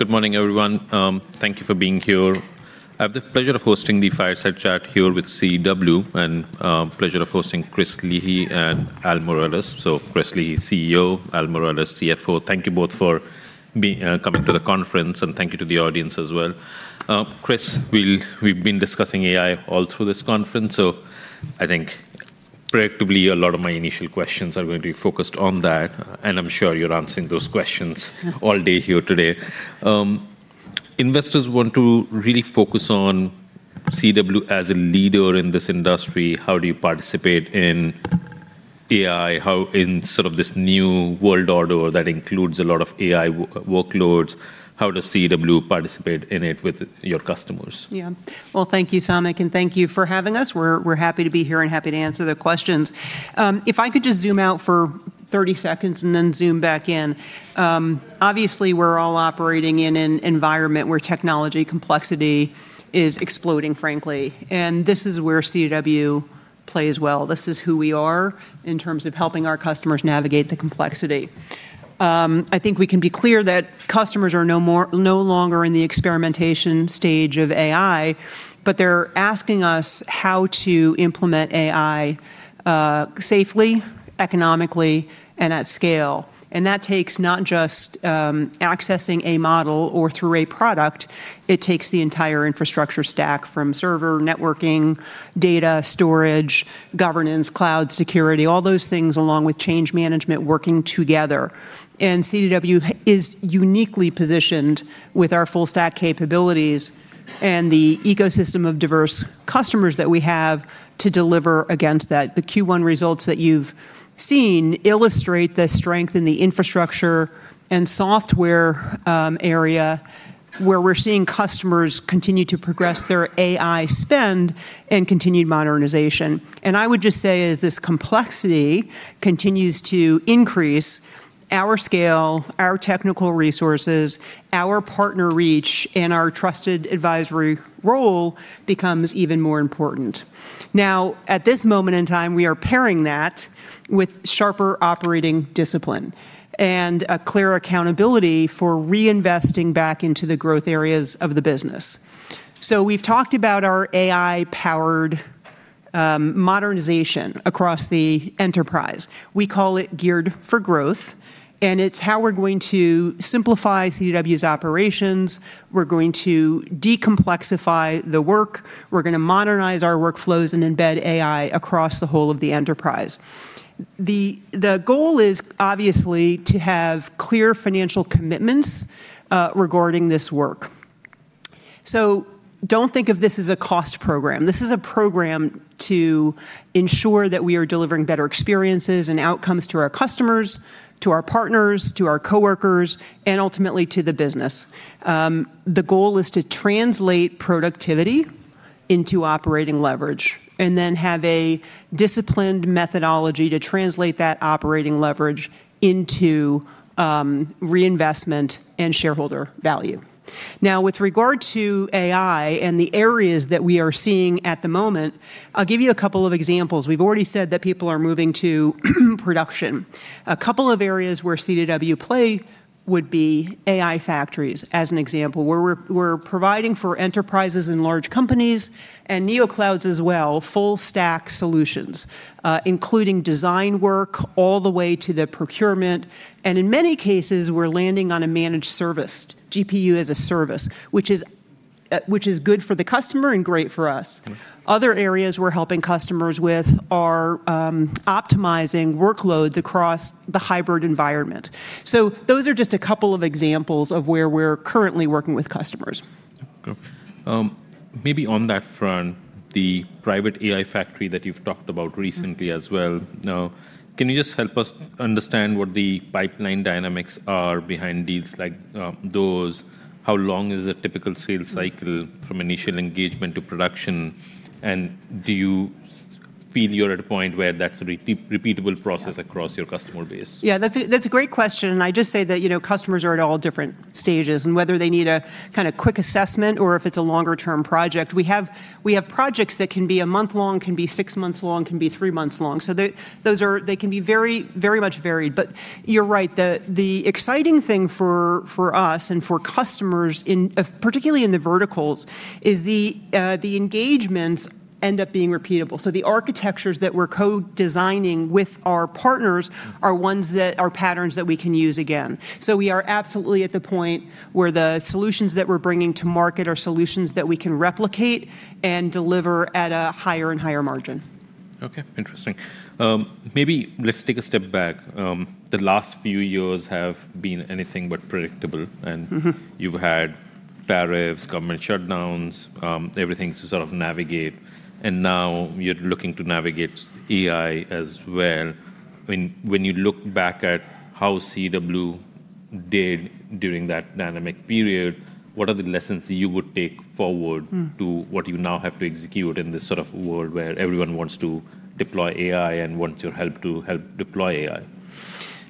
Good morning, everyone. Thank you for being here. I have the pleasure of hosting the Fireside Chat here with CDW and pleasure of hosting Christine Leahy and Albert Miralles. Christine Leahy, CEO, Albert Miralles, CFO. Thank you both for coming to the conference, and thank you to the audience as well. Chris, we've been discussing AI all through this conference, so I think predictably a lot of my initial questions are going to be focused on that, and I'm sure you're answering those questions all day here today. Investors want to really focus on CDW as a leader in this industry. How do you participate in AI? How in sort of this new world order that includes a lot of AI workloads, how does CDW participate in it with your customers? Yeah. Well, thank you, Samik, and thank you for having us. We're happy to be here and happy to answer the questions. If I could just zoom out for 30 seconds and then zoom back in. Obviously we're all operating in an environment where technology complexity is exploding, frankly, and this is where CDW plays well. This is who we are in terms of helping our customers navigate the complexity. I think we can be clear that customers are no longer in the experimentation stage of AI, but they're asking us how to implement AI safely, economically, and at scale. That takes not just accessing a model or through a product, it takes the entire infrastructure stack from server, networking, data storage, governance, cloud security, all those things along with change management working together. CDW is uniquely positioned with our full stack capabilities and the ecosystem of diverse customers that we have to deliver against that. The Q1 results that you've seen illustrate the strength in the infrastructure and software area where we're seeing customers continue to progress their AI spend and continued modernization. I would just say as this complexity continues to increase, our scale, our technical resources, our partner reach, and our trusted advisory role becomes even more important. Now, at this moment in time, we are pairing that with sharper operating discipline and a clear accountability for reinvesting back into the growth areas of the business. We've talked about our AI-powered modernization across the enterprise. We call it Geared for Growth, and it's how we're going to simplify CDW's operations. We're going to decomplexify the work. We're going to modernize our workflows and embed AI across the whole of the enterprise. The goal is obviously to have clear financial commitments regarding this work. Don't think of this as a cost program. This is a program to ensure that we are delivering better experiences and outcomes to our customers, to our partners, to our coworkers, and ultimately to the business. The goal is to translate productivity into operating leverage and have a disciplined methodology to translate that operating leverage into reinvestment and shareholder value. With regard to AI and the areas that we are seeing at the moment, I'll give you a couple of examples. We've already said that people are moving to production. A couple of areas where CDW play would be AI factories as an example, where we're providing for enterprises and large companies and neoclouds as well, full stack solutions, including design work all the way to the procurement. In many cases, we're landing on a Managed service, GPU as a service, which is good for the customer and great for us. Okay. Other areas we're helping customers with are, optimizing workloads across the hybrid environment. Those are just a couple of examples of where we're currently working with customers. Okay. Maybe on that front, the private AI factory that you've talked about recently as well. Can you just help us understand what the pipeline dynamics are behind deals like those? How long is a typical sales cycle from initial engagement to production? Do you feel you're at a point where that's a repeatable process across your customer base? Yeah, that's a great question. I just say that, you know, customers are at all different stages in whether they need a kind of quick assessment or if it's a longer-term project. We have projects that can be one month long, can be six months long, can be three months long. They can be very much varied. You're right. The exciting thing for us and for customers in, particularly in the verticals, is the engagements end up being repeatable. The architectures that we're co-designing with our partners are ones that are patterns that we can use again. We are absolutely at the point where the solutions that we're bringing to market are solutions that we can replicate and deliver at a higher and higher margin. Okay. Interesting. Maybe let's take a step back. The last few years have been anything but predictable. You've had tariffs, government shutdowns, everything to sort of navigate and now you're looking to navigate AI as well. When you look back at how CDW did during that dynamic period, what are the lessons you would take forward? To what you now have to execute in this sort of world where everyone wants to deploy AI and wants your help to help deploy AI?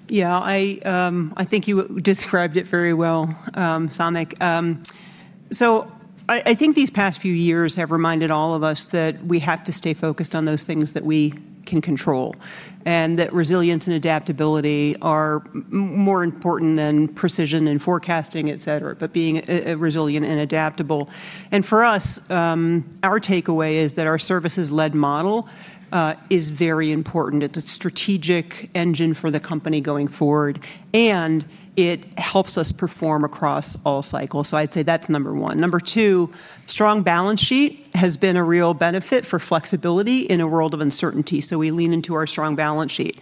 Yeah. I think you described it very well, Samik Chatterjee. I think these past few years have reminded all of us that we have to stay focused on those things that we can control, and that resilience and adaptability are more important than precision and forecasting, et cetera, but being resilient and adaptable. For us, our takeaway is that our services-led model is very important. It's a strategic engine for the company going forward, and it helps us perform across all cycles. I'd say that's number one. Number two, strong balance sheet has been a real benefit for flexibility in a world of uncertainty, so we lean into our strong balance sheet.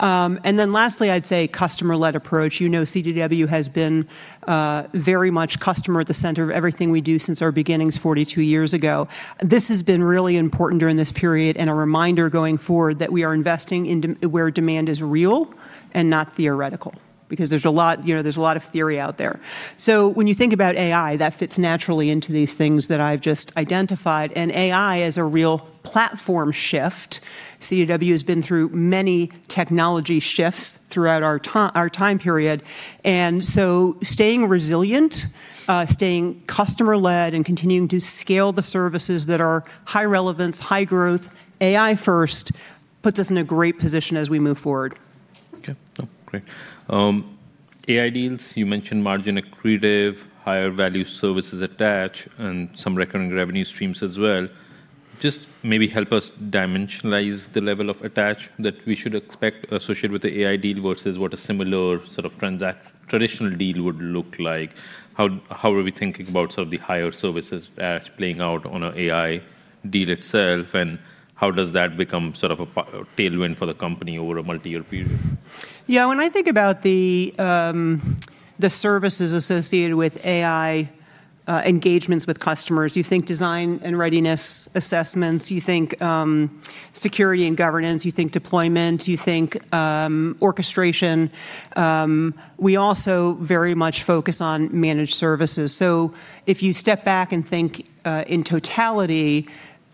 Lastly, I'd say customer-led approach. You know CDW has been very much customer at the center of everything we do since our beginnings 42 years ago. This has been really important during this period, and a reminder going forward that we are investing in where demand is real and not theoretical, because there's a lot, you know, there's a lot of theory out there. When you think about AI, that fits naturally into these things that I've just identified, and AI is a real platform shift. CDW has been through many technology shifts throughout our time period, staying resilient, staying customer-led, and continuing to scale the services that are high relevance, high growth, AI first, puts us in a great position as we move forward. Okay. Oh, great. AI deals, you mentioned margin accretive, higher value services attach, and some recurring revenue streams as well. Just maybe help us dimensionalize the level of attach that we should expect associated with the AI deal versus what a similar sort of traditional deal would look like. How are we thinking about sort of the higher services attach playing out on a AI deal itself, and how does that become sort of a tailwind for the company over a multi-year period? Yeah, when I think about the services associated with AI engagements with customers, you think design and readiness assessments, you think security and governance, you think deployment, you think orchestration. We also very much focus on Managed Services. If you step back and think in totality,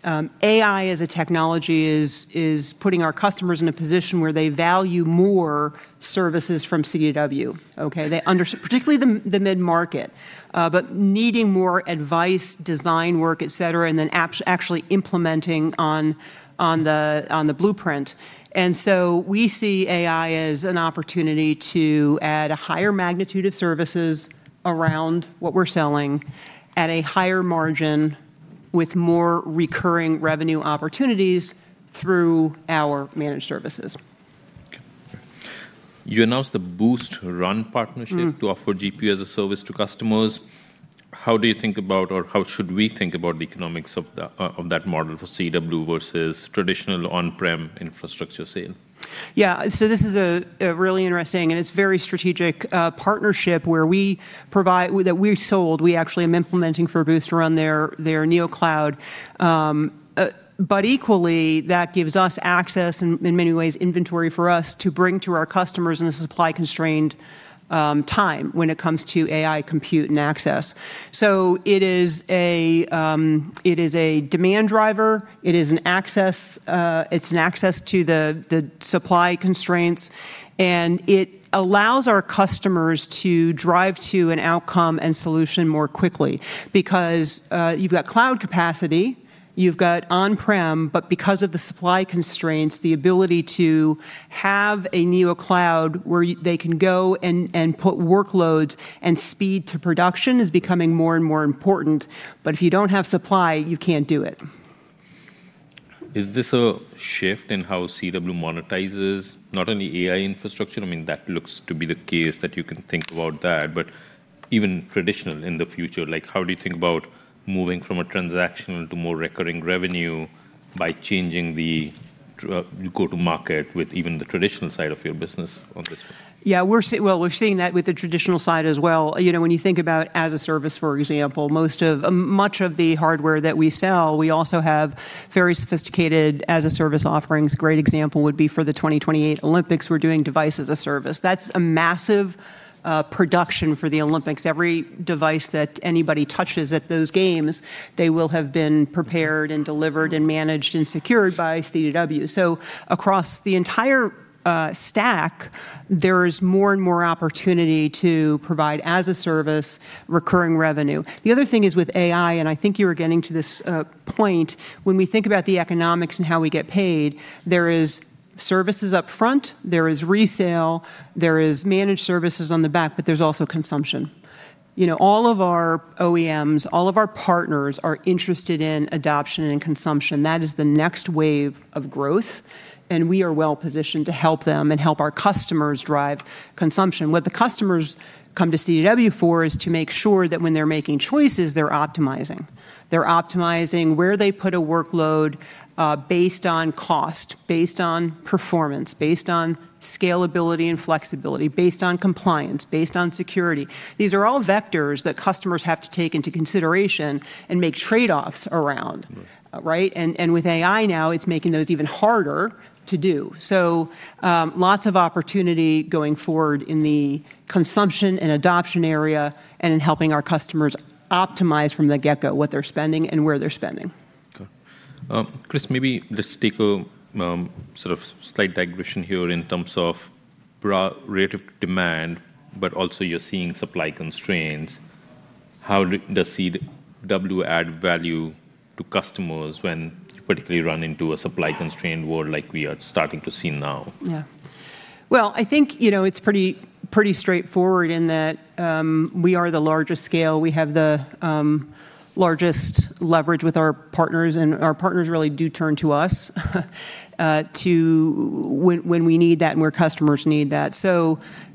AI as a technology is putting our customers in a position where they value more services from CDW, okay? They Particularly the mid-market, but needing more advice, design work, et cetera, and then actually implementing on the blueprint. We see AI as an opportunity to add a higher magnitude of services around what we're selling at a higher margin with more recurring revenue opportunities through our Managed Services. Okay. You announced the Boost Run partnership. To offer GPU as a service to customers. How do you think about or how should we think about the economics of that model for CDW versus traditional on-prem infrastructure sale? Yeah. This is a really interesting and it's very strategic partnership where that we sold. We actually am implementing for Boost Run their neocloud. Equally, that gives us access and in many ways inventory for us to bring to our customers in a supply-constrained time when it comes to AI compute and access. It is a demand driver, it is an access, it's an access to the supply constraints, and it allows our customers to drive to an outcome and solution more quickly. You've got cloud capacity, you've got on-prem, because of the supply constraints, the ability to have a neocloud where they can go and put workloads and speed to production is becoming more and more important. If you don't have supply, you can't do it. Is this a shift in how CDW monetizes not only AI infrastructure, I mean, that looks to be the case that you can think about that, but even traditional in the future? Like, how do you think about moving from a transaction to more recurring revenue by changing the go-to-market with even the traditional side of your business on this front? Well, we're seeing that with the traditional side as well. You know, when you think about as a service, for example, most of, much of the hardware that we sell, we also have very sophisticated as a service offerings. Great example would be for the 2028 Olympics, we're doing Device as a Service. That's a massive production for the Olympics. Every device that anybody touches at those games, they will have been prepared and delivered and managed and secured by CDW. Across the entire stack, there is more and more opportunity to provide as a service recurring revenue. The other thing is with AI, and I think you were getting to this point, when we think about the economics and how we get paid, there is services up front, there is resale, there is Managed Services on the back, but there's also consumption. You know, all of our OEMs, all of our partners are interested in adoption and consumption. That is the next wave of growth, and we are well positioned to help them and help our customers drive consumption. What the customers come to CDW for is to make sure that when they're making choices, they're optimizing. They're optimizing where they put a workload based on cost, based on performance, based on scalability and flexibility, based on compliance, based on security. These are all vectors that customers have to take into consideration and make trade-offs around. Right. Right? With AI now, it is making those even harder to do. Lots of opportunity going forward in the consumption and adoption area and in helping our customers optimize from the get-go what they're spending and where they're spending. Okay. Christine, maybe let's take a sort of slight digression here. Broad rate of demand, but also you're seeing supply constraints. How does CDW add value to customers when you particularly run into a supply-constrained world like we are starting to see now? Yeah. Well, I think, you know, it's pretty straightforward in that we are the largest scale. We have the largest leverage with our partners, our partners really do turn to us when we need that, and when customers need that.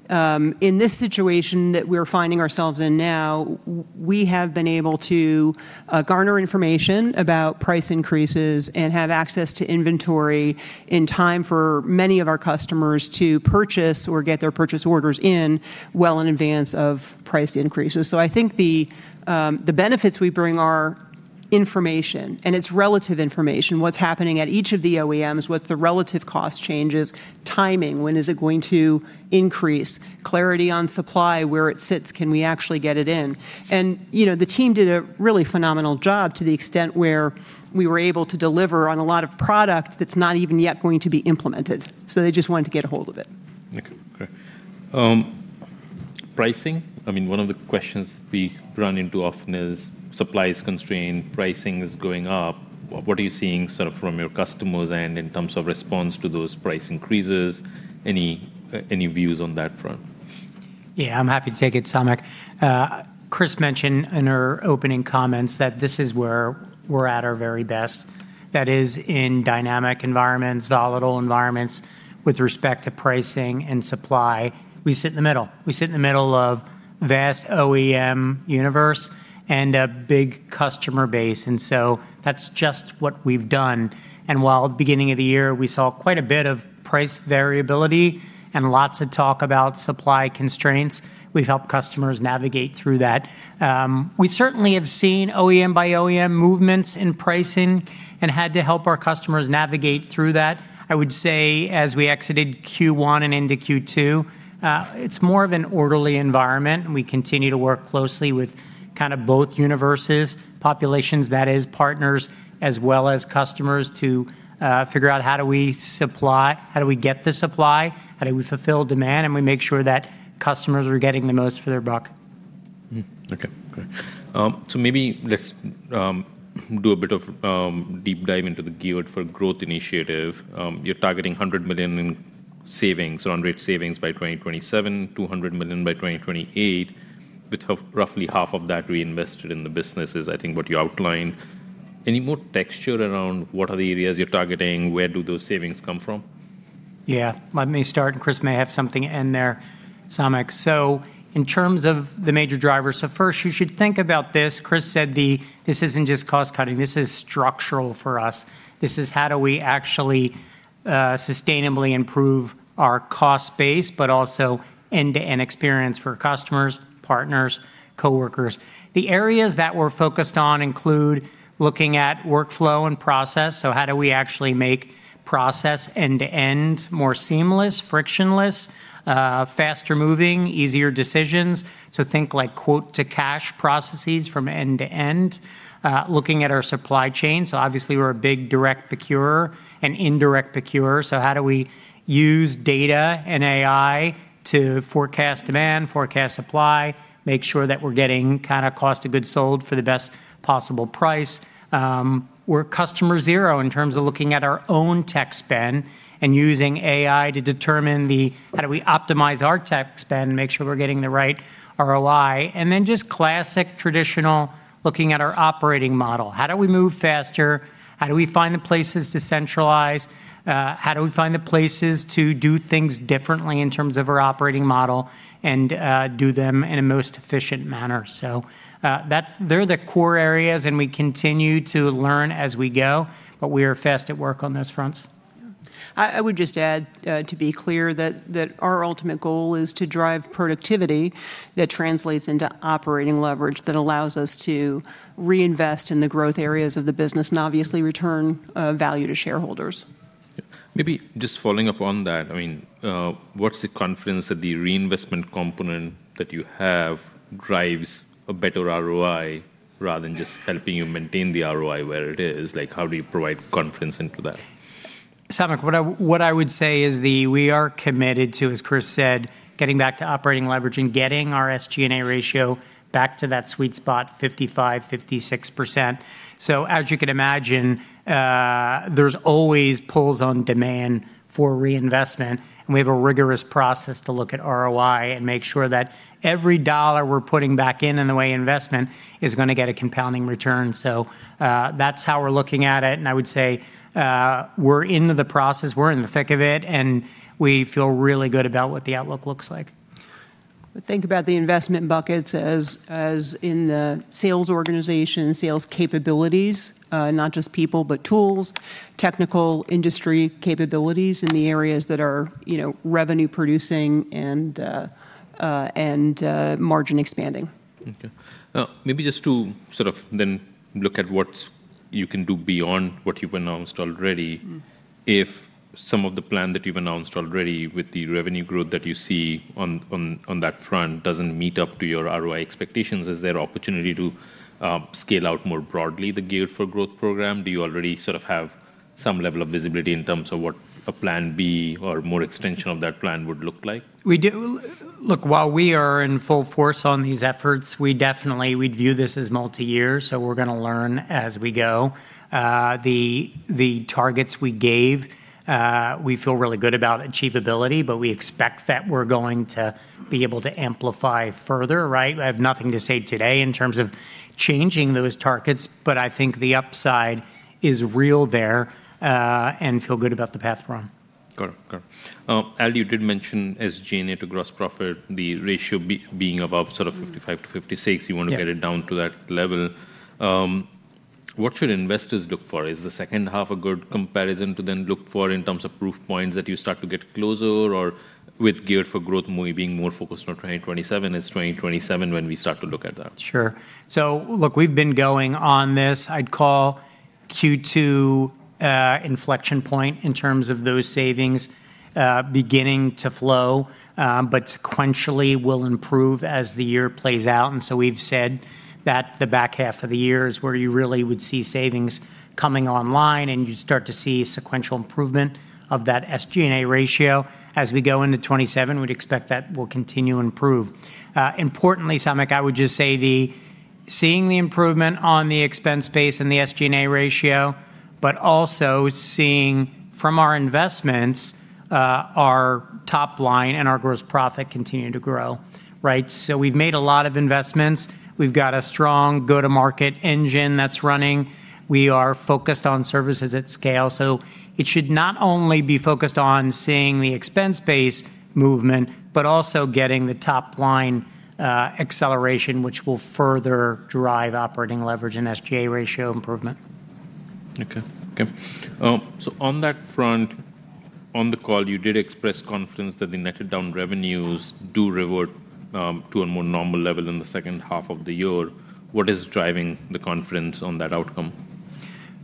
In this situation that we're finding ourselves in now, we have been able to garner information about price increases and have access to inventory in time for many of our customers to purchase or get their purchase orders in well in advance of price increases. I think the benefits we bring are information, and it's relative information, what's happening at each of the OEMs, what the relative cost change is, timing, when is it going to increase, clarity on supply, where it sits, can we actually get it in? You know, the team did a really phenomenal job to the extent where we were able to deliver on a lot of product that's not even yet going to be implemented, so they just wanted to get a hold of it. Okay, great. pricing, I mean, one of the questions we run into often is supply is constrained, pricing is going up. What are you seeing sort of from your customers and in terms of response to those price increases? Any, any views on that front? Yeah, I'm happy to take it, Samik. Chris mentioned in her opening comments that this is where we're at our very best. That is, in dynamic environments, volatile environments with respect to pricing and supply, we sit in the middle. We sit in the middle of vast OEM universe and a big customer base. That's just what we've done. While at the beginning of the year we saw quite a bit of price variability and lots of talk about supply constraints, we've helped customers navigate through that. We certainly have seen OEM by OEM movements in pricing and had to help our customers navigate through that. I would say as we exited Q1 and into Q2, it's more of an orderly environment, and we continue to work closely with kinda both universes, populations, that is partners as well as customers, to figure out how do we supply, how do we get the supply, how do we fulfill demand, and we make sure that customers are getting the most for their buck. Okay, great. Maybe let's do a bit of deep dive into the Geared for Growth initiative. You're targeting $100 million in savings, on rate savings by 2027, $200 million by 2028, with roughly half of that reinvested in the business is I think what you outlined. Any more texture around what are the areas you're targeting? Where do those savings come from? Let me start, and Chris may have something to end there, Samik. In terms of the major drivers, first you should think about this. Chris said this isn't just cost-cutting, this is structural for us. This is how do we actually sustainably improve our cost base, but also end-to-end experience for customers, partners, coworkers. The areas that we're focused on include looking at workflow and process, how do we actually make process end to end more seamless, frictionless, faster moving, easier decisions. Think like quote-to-cash processes from end to end. Looking at our supply chain, obviously we're a big direct procurer and indirect procurer, how do we use data and AI to forecast demand, forecast supply, make sure that we're getting kinda cost of goods sold for the best possible price. We're Customer Zero in terms of looking at our own tech spend and using AI to determine how do we optimize our tech spend and make sure we're getting the right ROI. Just classic, traditional looking at our operating model. How do we move faster? How do we find the places to centralize? How do we find the places to do things differently in terms of our operating model and do them in a most efficient manner? They're the core areas, and we continue to learn as we go, but we are fast at work on those fronts. I would just add, to be clear that our ultimate goal is to drive productivity that translates into operating leverage that allows us to reinvest in the growth areas of the business and obviously return value to shareholders. Yeah. Maybe just following up on that, I mean, what's the confidence that the reinvestment component that you have drives a better ROI rather than just helping you maintain the ROI where it is? Like, how do you provide confidence into that? Samik, what I would say is we are committed to, as Chris said, getting back to operating leverage and getting our SG&A ratio back to that sweet spot, 55%-56%. As you can imagine, there's always pulls on demand for reinvestment, and we have a rigorous process to look at ROI and make sure that every dollar we're putting back in the way of investment, is gonna get a compounding return. That's how we're looking at it, and I would say, we're into the process. We're in the thick of it, and we feel really good about what the outlook looks like. Think about the investment buckets as in the sales organization, sales capabilities, not just people, but tools, technical industry capabilities in the areas that are, you know, revenue producing and margin expanding. Okay. Maybe just to sort of then look at what you can do beyond what you've announced already. If some of the plan that you've announced already with the revenue growth that you see on that front doesn't meet up to your ROI expectations, is there opportunity to scale out more broadly the Geared for Growth program? Do you already sort of have some level of visibility in terms of what a plan B or more extension of that plan would look like? We do. Look, while we are in full force on these efforts, we definitely view this as multi-year, so we're gonna learn as we go. The targets we gave, we feel really good about achievability, but we expect that we're going to be able to amplify further, right? I have nothing to say today in terms of changing those targets, but I think the upside is real there, and feel good about the path we're on. Got it. Got it. Albert, you did mention SG&A to gross profit, the ratio being above. 55-56. Yeah. You wanna get it down to that level. What should investors look for? Is the second half a good comparison to then look for in terms of proof points that you start to get closer, or with Geared for Growth more, being more focused on 2027, it's 2027 when we start to look at that? Sure. Look, we've been going on this, I'd call Q2 a inflection point in terms of those savings, beginning to flow, but sequentially will improve as the year plays out. We've said that the back half of the year is where you really would see savings coming online, and you start to see sequential improvement of that SG&A ratio. As we go into 2027, we'd expect that will continue to improve. Importantly, Samik, I would just say the, seeing the improvement on the expense base and the SG&A ratio, but also seeing from our investments, our top line and our gross profit continue to grow, right? We've made a lot of investments. We've got a strong go-to-market engine that's running. We are focused on services at scale. It should not only be focused on seeing the expense-based movement, but also getting the top line, acceleration, which will further drive operating leverage and SG&A ratio improvement. Okay. Okay. On that front, on the call, you did express confidence that the netted down revenues do revert to a more normal level in the second half of the year. What is driving the confidence on that outcome?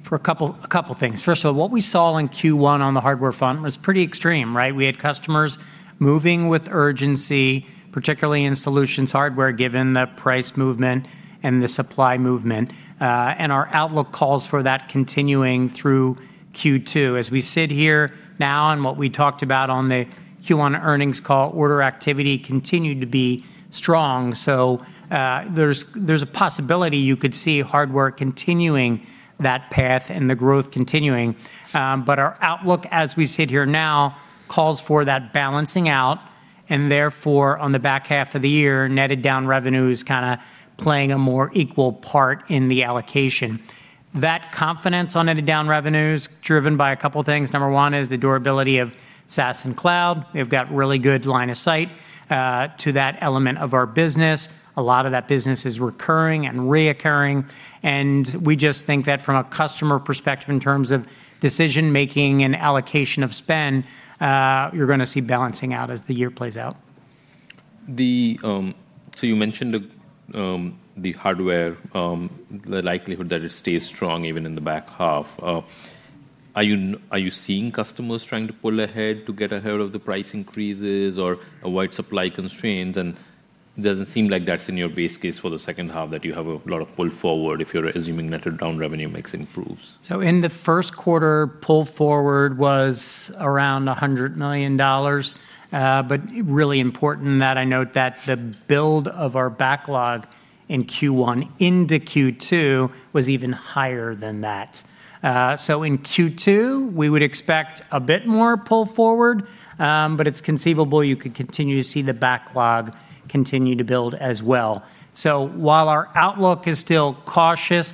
For a couple things. First of all, what we saw in Q1 on the hardware front was pretty extreme, right? We had customers moving with urgency, particularly in solutions hardware, given the price movement and the supply movement. Our outlook calls for that continuing through Q2. As we sit here now, what we talked about on the Q1 earnings call, order activity continued to be strong, there's a possibility you could see hardware continuing that path and the growth continuing. Our outlook as we sit here now calls for that balancing out, and therefore, on the back half of the year, netted down revenue is kinda playing a more equal part in the allocation. That confidence on netted down revenues, driven by a couple things. Number one is the durability of SaaS and cloud. We've got really good line of sight to that element of our business. A lot of that business is recurring and reoccurring, and we just think that from a customer perspective in terms of decision-making and allocation of spend, you're gonna see balancing out as the year plays out. So you mentioned the hardware, the likelihood that it stays strong even in the back half. Are you seeing customers trying to pull ahead to get ahead of the price increases or avoid supply constraints? It doesn't seem like that's in your base case for the second half, that you have a lot of pull forward if you're assuming netted down revenue makes improves. In the first quarter, pull forward was around $100 million. Really important that I note that the build of our backlog in Q1 into Q2 was even higher than that. In Q2, we would expect a bit more pull forward, but it's conceivable you could continue to see the backlog continue to build as well. Our outlook is still cautious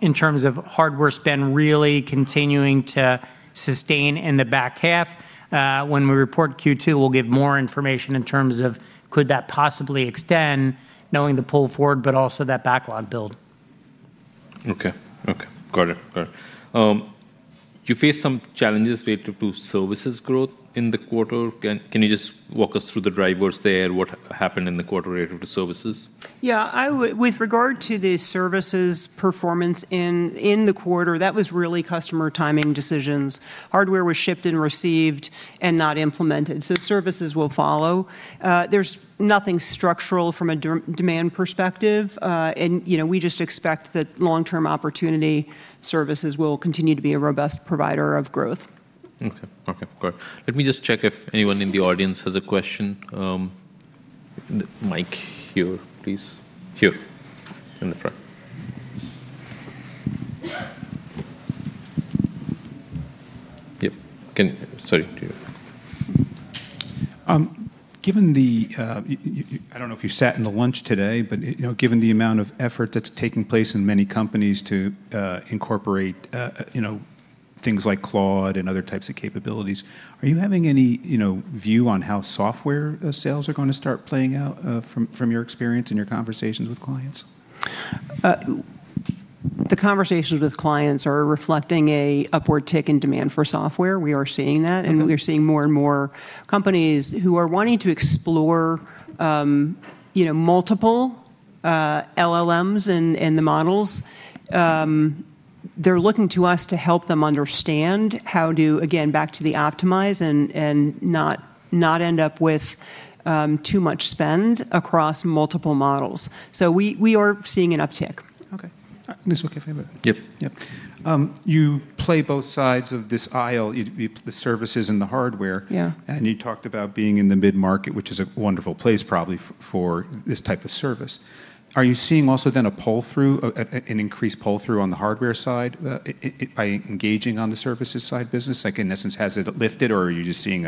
in terms of hardware spend really continuing to sustain in the back half, when we report Q2, we'll give more information in terms of could that possibly extend knowing the pull forward, but also that backlog build. Okay. Okay. Got it. Got it. You face some challenges related to services growth in the quarter. Can you just walk us through the drivers there? What happened in the quarter related to services? Yeah, I would with regard to the services performance in the quarter, that was really customer timing decisions. Hardware was shipped and received and not implemented, so services will follow. There's nothing structural from a demand perspective. You know, we just expect that long-term opportunity services will continue to be a robust provider of growth. Okay. Okay, got it. Let me just check if anyone in the audience has a question. Mic here, please. Here in the front. Yep, sorry. Given the, I don't know if you sat in the lunch today, but, you know, given the amount of effort that's taking place in many companies to incorporate, you know, things like Claude and other types of capabilities, are you having any, you know, view on how software sales are gonna start playing out from your experience and your conversations with clients? The conversations with clients are reflecting a upward tick in demand for software. Okay We're seeing more and more companies who are wanting to explore, you know, multiple LLMs and the models, they're looking to us to help them understand how to, again, back to the optimize and not end up with too much spend across multiple models. We are seeing an uptick. Okay. It's okay if I move it? Yep. Yep. You play both sides of this aisle, the services and the hardware. Yeah. You talked about being in the mid-market, which is a wonderful place probably for this type of service. Are you seeing also then an increased pull-through on the hardware side by engaging on the services side business? Like, in essence, has it lifted or are you just seeing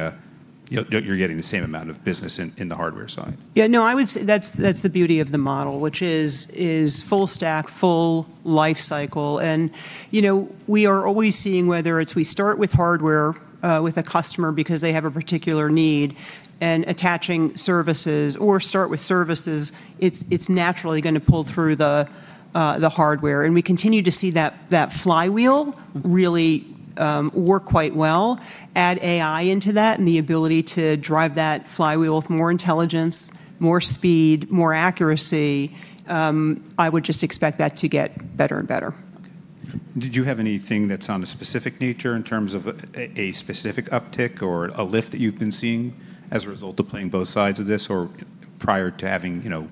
you're getting the same amount of business in the hardware side? Yeah, no, I would say that's the beauty of the model, which is full stack, full life cycle. You know, we are always seeing whether it's we start with hardware, with a customer because they have a one particular need and attaching services or start with services, it's naturally gonna pull through the hardware. We continue to see that flywheel really work quite well. Add AI into that and the ability to drive that flywheel with more intelligence, more speed, more accuracy, I would just expect that to get better and better. Okay. Did you have anything that's on a specific nature in terms of a specific uptick or a lift that you've been seeing as a result of playing both sides of this or prior to having, you know,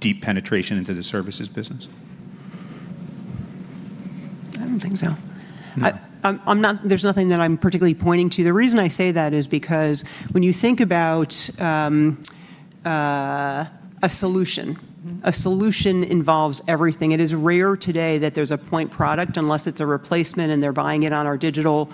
deep penetration into the services business? I don't think so. No. There's nothing that I'm particularly pointing to. The reason I say that is because when you think about, a solution. A solution involves everything. It is rare today that there's a point product unless it's a replacement and they're buying it on our digital,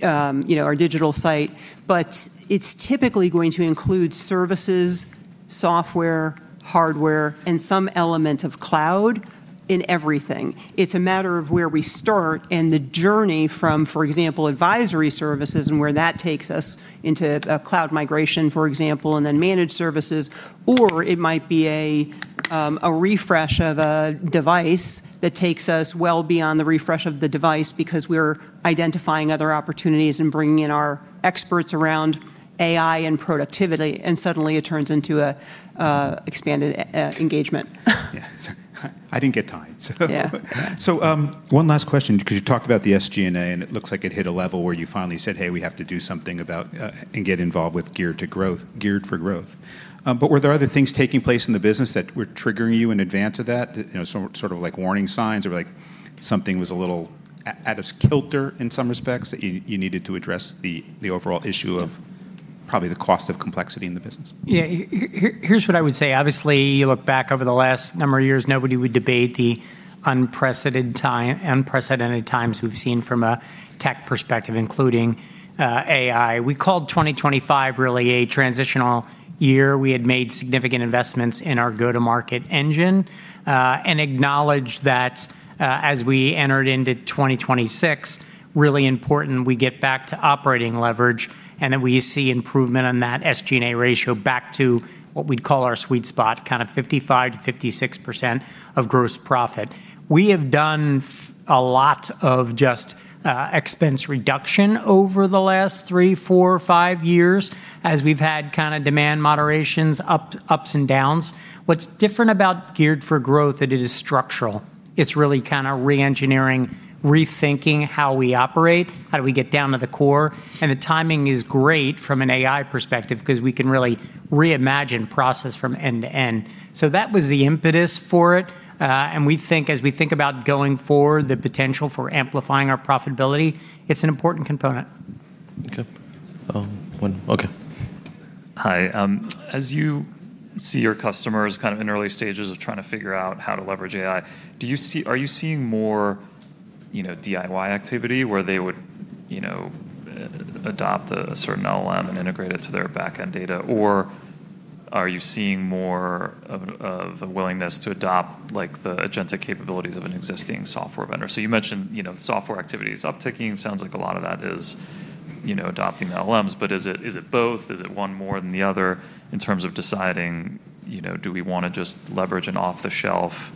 you know, our digital site. It's typically going to include services, software, hardware, and some element of cloud in everything. It's a matter of where we start and the journey from, for example, advisory services and where that takes us into a cloud migration, for example, and then Managed Services. It might be a refresh of a device that takes us well beyond the refresh of the device because we're identifying other opportunities and bringing in our experts around AI and productivity, and suddenly it turns into a expanded engagement. Yeah. Sorry. I didn't get time. Yeah. One last question, 'cause you talked about the SG&A, and it looks like it hit a level where you finally said, "Hey, we have to do something about and get involved with Geared for Growth." But were there other things taking place in the business that were triggering you in advance of that? You know, sort of like warning signs or like something was a little out of kilter in some respects that you needed to address the overall issue of probably the cost of complexity in the business? Yeah. Here's what I would say. Obviously, you look back over the last number of years, nobody would debate the unprecedented times we've seen from a tech perspective, including AI. We called 2025 really a transitional year. We had made significant investments in our go-to-market engine and acknowledged that, as we entered into 2026, really important we get back to operating leverage and that we see improvement on that SG&A ratio back to what we'd call our sweet spot, kind of 55%-56% of gross profit. We have done a lot of just expense reduction over the last three, four, five years as we've had kinda demand moderations, ups and downs. What's different about Geared for Growth, that it is structural. It's really kinda re-engineering, rethinking how we operate, how do we get down to the core. The timing is great from an AI perspective 'cause we can really reimagine process from end to end. That was the impetus for it. We think as we think about going forward, the potential for amplifying our profitability, it's an important component. Okay. Okay. Hi. As you see your customers kind of in early stages of trying to figure out how to leverage AI, are you seeing more, you know, DIY activity where they would, you know, adopt a certain LLM and integrate it to their back-end data? Are you seeing more of a willingness to adopt like the agentic capabilities of an existing software vendor? You mentioned, you know, software activity is upticking. Sounds like a lot of that is, you know, adopting LLMs. Is it, is it both? Is it one more than the other in terms of deciding, you know, do we wanna just leverage an off-the-shelf,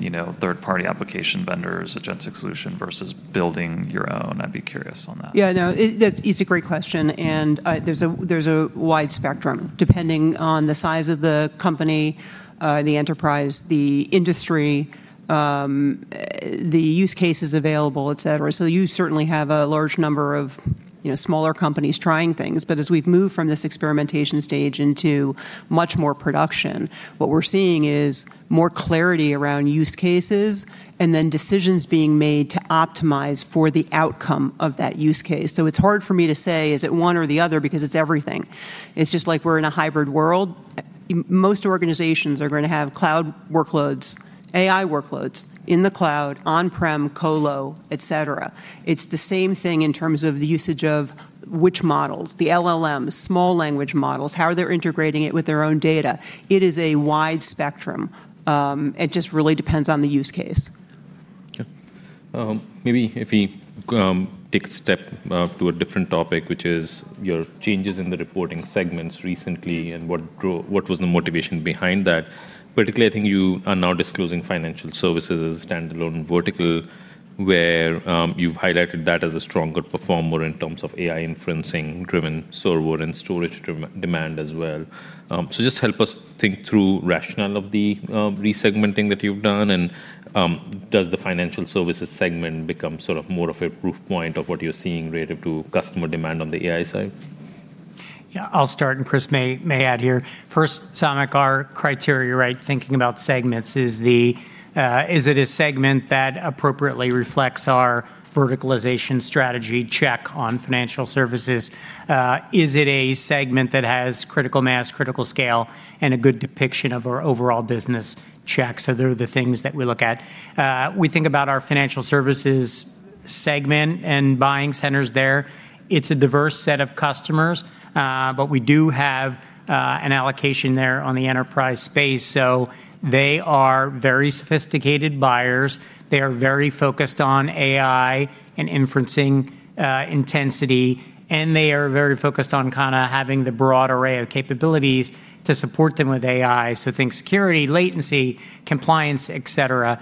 you know, third-party application vendor as a agentic solution versus building your own? I'd be curious on that. Yeah, no. It's a great question. There's a wide spectrum depending on the size of the company, the enterprise, the industry, the use cases available, et cetera. You certainly have a large number of, you know, smaller companies trying things. As we've moved from this experimentation stage into much more production, what we're seeing is more clarity around use cases and then decisions being made to optimize for the outcome of that use case. It's hard for me to say, is it one or the other, because it's everything. It's just like we're in a hybrid world. Most organizations are gonna have cloud workloads, AI workloads in the cloud, on-prem, colo, et cetera. It's the same thing in terms of the usage of which models, the LLMs, small language models, how they're integrating it with their own data. It is a wide spectrum. It just really depends on the use case. Maybe if we take a step to a different topic, which is your changes in the reporting segments recently and what was the motivation behind that? Particularly, I think you are now disclosing financial services as a standalone vertical. Where, you've highlighted that as a stronger performer in terms of AI inferencing driven server and storage demand as well. Just help us think through rationale of the re-segmenting that you've done, and does the financial services segment become sort of more of a proof point of what you're seeing relative to customer demand on the AI side? Yeah, I'll start, and Christine Leahy may add here. First, Samik Chatterjee, our criteria, right? Thinking about segments, is it a segment that appropriately reflects our verticalization strategy check on financial services? Is it a segment that has critical mass, critical scale, and a good depiction of our overall business checks? They're the things that we look at. We think about our financial services segment and buying centers there. It's a diverse set of customers, but we do have an allocation there on the enterprise space. They are very sophisticated buyers, they are very focused on AI and inferencing intensity, and they are very focused on kinda having the broad array of capabilities to support them with AI. Think security, latency, compliance, et cetera.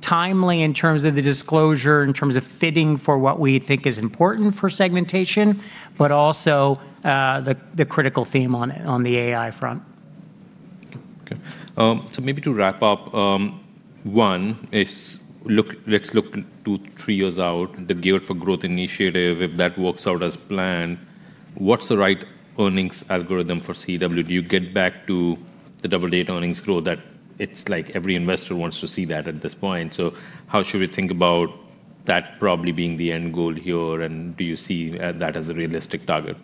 timely in terms of the disclosure, in terms of fitting for what we think is important for segmentation, but also, the critical theme on the AI front. Okay. maybe to wrap up, one is let's look two, three years out, the Geared for Growth initiative, if that works out as planned, what's the right earnings algorithm for CDW? Do you get back to the double-digit earnings growth that it's like every investor wants to see that at this point. How should we think about that probably being the end goal here, and do you see that as a realistic target?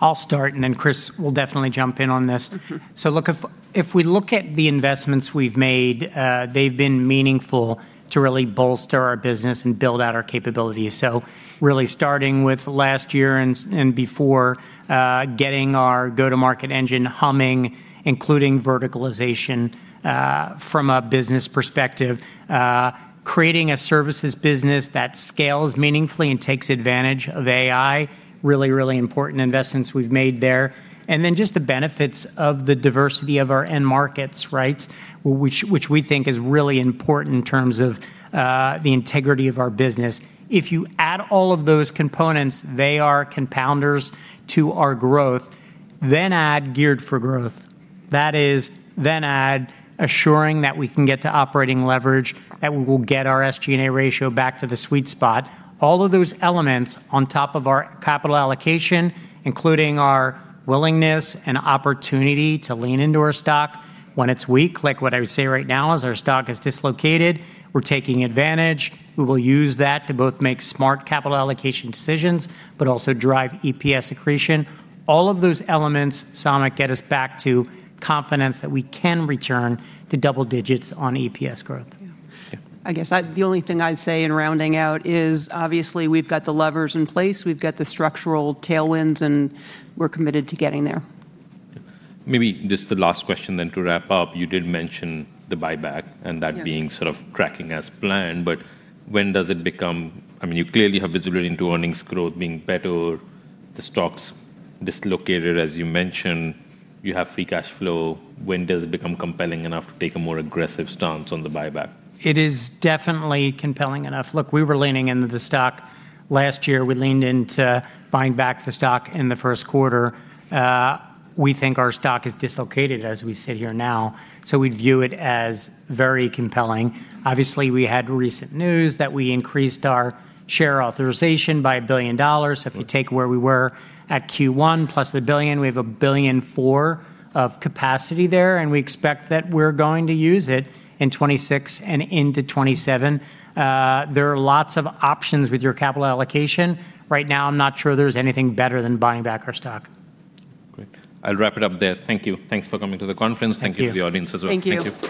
I'll start, and then Chris will definitely jump in on this. Sure. Look, if we look at the investments we've made, they've been meaningful to really bolster our business and build out our capabilities. Really starting with last year and before, getting our quote-to-cash engine humming, including verticalization, from a business perspective, creating a services business that scales meaningfully and takes advantage of AI, really important investments we've made there. Just the benefits of the diversity of our end markets, right? Which we think is really important in terms of the integrity of our business. If you add all of those components, they are compounders to our growth, then add Geared for Growth. That is, then add assuring that we can get to operating leverage, that we will get our SG&A ratio back to the sweet spot. All of those elements on top of our capital allocation, including our willingness and opportunity to lean into our stock when it's weak, like what I would say right now is our stock is dislocated. We're taking advantage. We will use that to both make smart capital allocation decisions, but also drive EPS accretion. All of those elements, Samik, get us back to confidence that we can return to double digits on EPS growth. I guess the only thing I'd say in rounding out is obviously we've got the levers in place, we've got the structural tailwinds, and we're committed to getting there. Maybe just the last question then to wrap up. You did mention the buyback- Yeah That being sort of tracking as planned. When does it become, I mean, you clearly have visibility into earnings growth being better, the stock's dislocated, as you mentioned. You have free cash flow. When does it become compelling enough to take a more aggressive stance on the buyback? It is definitely compelling enough. We were leaning into the stock last year. We leaned into buying back the stock in the first quarter. We think our stock is dislocated as we sit here now. We view it as very compelling. We had recent news that we increased our share authorization by $1 billion. If you take where we were at Q1 +$1 billion, we have $1.4 billion of capacity there. We expect that we're going to use it in 2026 and into 2027. There are lots of options with your capital allocation. Right now, I'm not sure there's anything better than buying back our stock. Great. I'll wrap it up there. Thank you. Thanks for coming to the conference. Thank you. Thank you to the audience as well. Thank you.